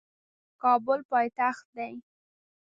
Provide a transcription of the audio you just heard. کابل پایتخت دی